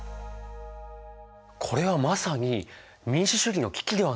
これはまさに民主主義の危機ではないですか。